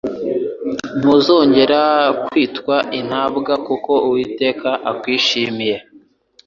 Ntuzongera kwitwa intabwa... kuko Uwiteka akwishimiye.»